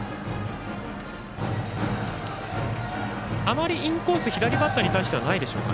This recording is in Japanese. あまりインコース左バッターに対してはないですか。